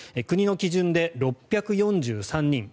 国の基準で６４３人。